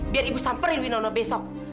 biar ibu samperin winono besok